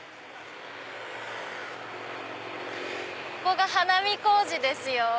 ここが花見小路ですよ。